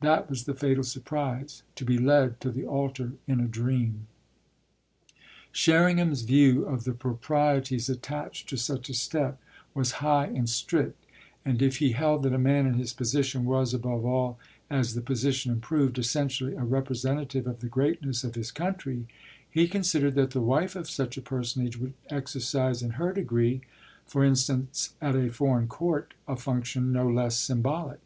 That was the fatal surprise to be led to the altar in a dream. Sherringham's view of the proprieties attached to such a step was high and strict; and if he held that a man in his position was, above all as the position improved, essentially a representative of the greatness of his country, he considered that the wife of such a personage would exercise in her degree for instance at a foreign court a function no less symbolic.